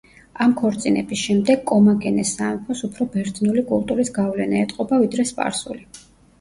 ამ ქორწინების შემდეგ კომაგენეს სამეფოს უფრო ბერძნული კულტურის გავლენა ეტყობა ვიდრე სპარსული.